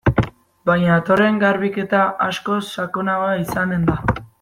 Baina datorren garbiketa askoz sakonagoa izanen da.